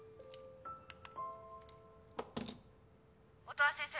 音羽先生